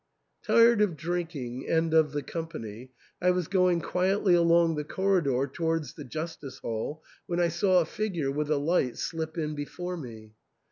Tired of drinking and of the company, I was going quietly along the corridor towards the justice hall when I saw a figure with a light slip in before me.